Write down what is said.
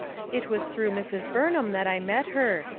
It was through Mrs. Burnham that I met her.